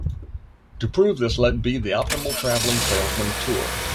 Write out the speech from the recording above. To prove this, let be the optimal traveling salesman tour.